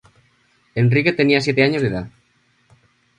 Enrique tenía siete años de edad.